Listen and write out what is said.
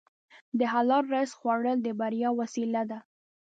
د حلال رزق خوړل د بریا وسیله ده.